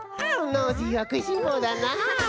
ノージーはくいしんぼうだな！